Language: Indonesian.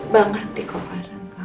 bang ngerti kok rasanya